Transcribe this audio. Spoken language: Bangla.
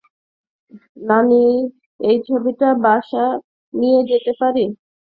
নানি, এই ছবিটা বাসা নিয়ে যেতে পারি?